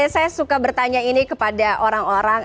saya suka bertanya ini kepada orang orang